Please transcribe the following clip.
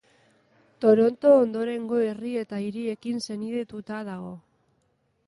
Toronto ondorengo herri eta hiriekin senidetuta dago.